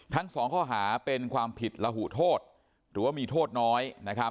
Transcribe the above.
ทั้ง๒ข้อหาเป็นความผิดระหูโทษหรือว่ามีโทษน้อย